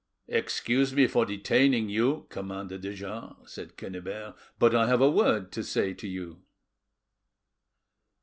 "Excuse me for detaining you, Commander de Jars," said Quennebert, "but I have a word to say to you."